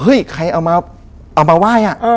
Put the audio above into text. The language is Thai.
เฮ้ยใครเอามาไหว้อ่ะ